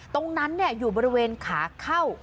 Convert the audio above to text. ตรงนั้นอยู่บริเวณขาเข้า